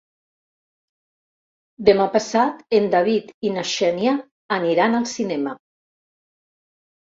Demà passat en David i na Xènia aniran al cinema.